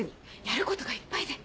やることがいっぱいで。